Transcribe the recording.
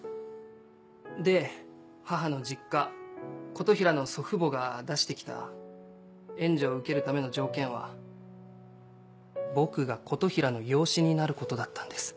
で母の実家琴平の祖父母が出して来た援助を受けるための条件は僕が琴平の養子になることだったんです。